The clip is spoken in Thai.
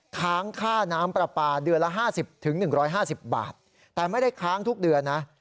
ค้างค่าน้ำประปาเดือนละห้าสิบถึงหนึ่งร้อยห้าสิบบาทแต่ไม่ได้ค้างทุกเดือนนะ